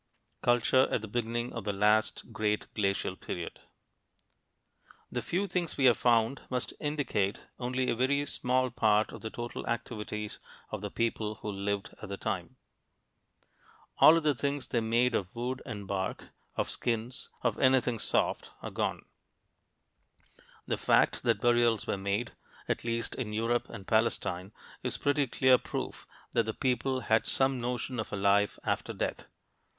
CULTURE AT THE BEGINNING OF THE LAST GREAT GLACIAL PERIOD The few things we have found must indicate only a very small part of the total activities of the people who lived at the time. All of the things they made of wood and bark, of skins, of anything soft, are gone. The fact that burials were made, at least in Europe and Palestine, is pretty clear proof that the people had some notion of a life after death.